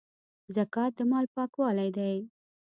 زکات د مال پاکوالی دی